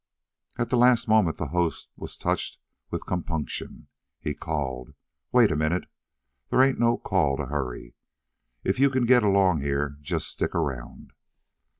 At the last moment the host was touched with compunction. He called: "Wait a minute. There ain't no call to hurry. If you can get along here just stick around."